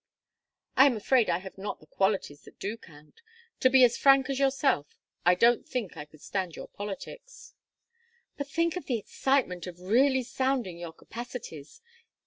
"I am afraid I have not the qualities that do count. To be as frank as yourself I don't think I could stand your politics." "But think of the excitement of really sounding your capacities!"